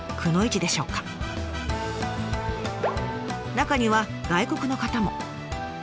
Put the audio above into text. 中には外国の方も。